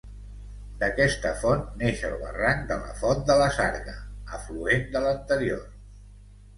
D'aquesta font neix el barranc de la Font de la Sarga, afluent de l'anterior.